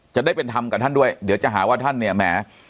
จะได้เป็นธรรมกับท่านด้วยเดี๋ยวจะหาว่าท่านเนี่ยแหม